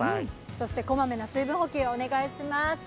そしてこまめな水分補給をお願いします。